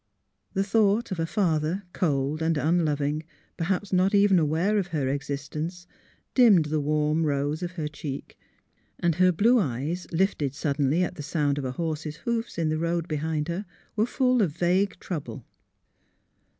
The thought of a father, cold and unloving, perhaps not even aware of her existence, dimmed the warm rose of her cheek, and her blue eyes — lifted sud denly at the sound of a horse's hoofs in the road behind her — were full of vague trouble.